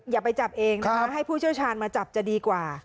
อย่าไปจับเองนะคะให้ผู้เชี่ยวชาญมาจับจะดีกว่า